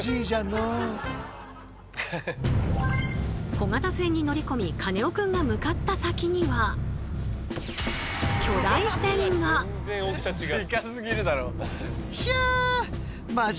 小型船に乗りこみカネオくんが向かった先には。とその時えっ！